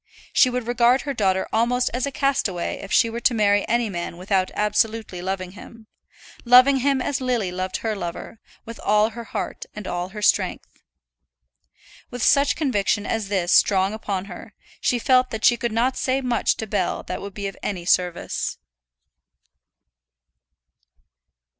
She would regard her daughter almost as a castaway if she were to marry any man without absolutely loving him, loving him as Lily loved her lover, with all her heart and all her strength. With such a conviction as this strong upon her, she felt that she could not say much to Bell that would be of any service.